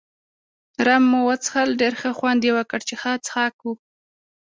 رم مو وڅښل، ډېر ښه خوند يې وکړ، چې ښه څښاک وو.